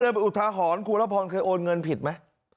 เดินไปอุทธาหรณ์ครูละพรเคยโอนเงินผิดมั้ย